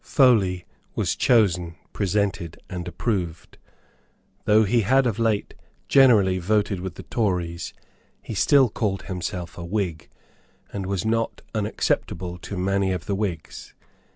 Foley was chosen, presented and approved. Though he had of late generally voted with the Tories, he still called himself a Whig, and was not unacceptable to many of the Whigs.